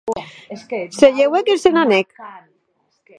Se lheuèc e se n'anèc.